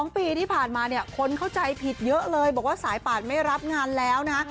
๒ปีที่ผ่านมาเนี่ยคนเข้าใจผิดเยอะเลยบอกว่าสายป่านไม่รับงานแล้วนะ